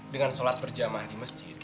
dengan sholat berjamaah di masjid